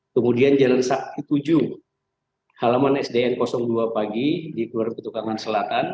kemudian jalan sakti tujuh halaman sdn dua pagi di kelurahan ketukangan selatan